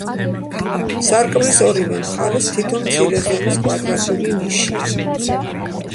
სარკმლის ორივე მხარეს თითო მცირე ზომის კვადრატული ნიშია.